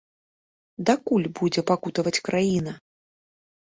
Дакуль будзе пакутаваць краіна?